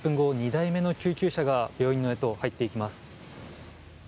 ２台目の救急車が病院へと入っていきます。